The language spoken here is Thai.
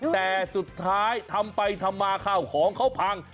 แต่สุดท้ายทำไปทำมาข้าวของเขาพัง